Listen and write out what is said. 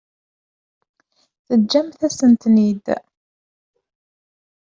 Teǧǧamt-asent-ten-id?